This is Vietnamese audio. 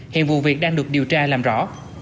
hiện vụ việc đang được điều tra làm rõ